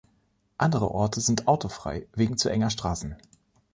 Andere Orte sind autofrei wegen zu enger Straßen.